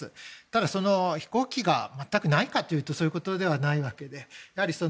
ただ飛行機が全くないかというとそういうことではないわけで。